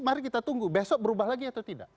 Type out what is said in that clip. mari kita tunggu besok berubah lagi atau tidak